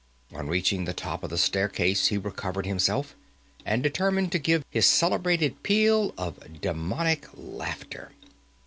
On reaching the top of the staircase he recovered himself, and determined to give his celebrated peal of demoniac laughter.